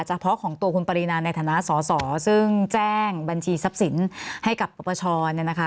เฉพาะของตัวคุณปรินาในฐานะสอสอซึ่งแจ้งบัญชีทรัพย์สินให้กับปปชเนี่ยนะคะ